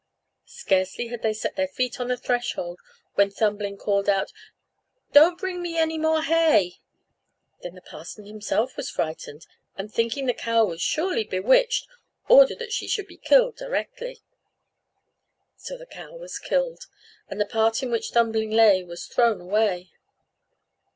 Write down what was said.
Scarcely had they set their feet on the threshold when Thumbling called out, "Don't bring me any more hay!" Then the parson himself was frightened; and thinking the cow was surely bewitched, ordered that she should be killed directly. So the cow was killed, and the part in which Thumbling lay was thrown away.